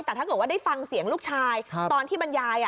แต่ถ้าเกิดว่าได้ฟังเสียงลูกชายตอนที่บรรยาย